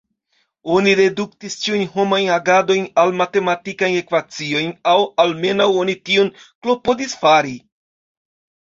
Oni reduktis ĉiujn homajn agadojn al matematikajn ekvaciojn, aŭ almenaŭ oni tion klopodis fari.